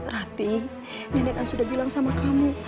rati nenek kan sudah bilang sama kamu